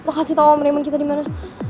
lo kasih tau om raymond kita dimana